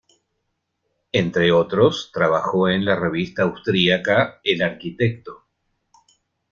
Entre otros, trabajó en la revista austríaca "El Arquitecto".